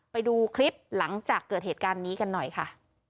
ไปดูคลิปหลังจากเกิดเหตุการณ์นี้กันหน่อยค่ะ